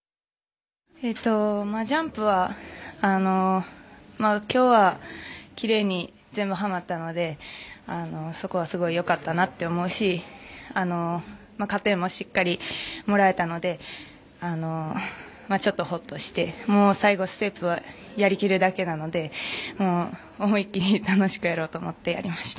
ジャンプは今日は奇麗に全部はまったのでそこはすごいよかったと思うし加点もしっかりもらえたのでちょっとホッとして最後、ステップはやりきるだけなので思いっきり楽しくやろうと思ってやりました。